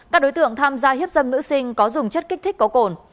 các đối tượng tham gia hiếp dâm nữ sinh có dùng chất kích thích có cồn